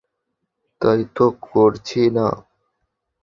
তাইতো করছি না?